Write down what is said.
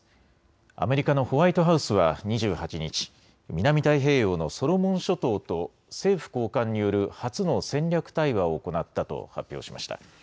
アメリカのホワイトハウスは２８日、南太平洋のソロモン諸島と政府高官による初の戦略対話を行ったと発表しました。